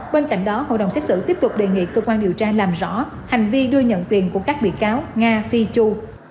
bên cạnh đó hội đồng xét xử tiếp tục đề nghị cơ quan điều tra làm rõ hành vi đưa nhận tiền của các bị cáo nga phi chu